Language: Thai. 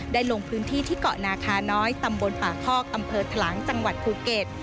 ลงพื้นที่ที่เกาะนาคาน้อยตำบลป่าคอกอำเภอทะลังจังหวัดภูเก็ต